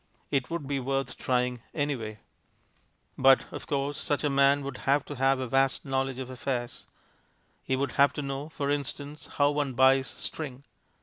It would be worth trying anyway. But, of course, such a man would have to have a vast knowledge of affairs. He would have to know, for instance, how one buys string.